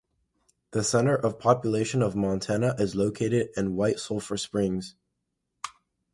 The center of population of Montana is located in White Sulphur Springs.